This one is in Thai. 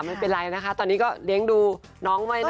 ไม่เป็นไรนะคะตอนนี้ก็เลี้ยงดูน้องไม่ได้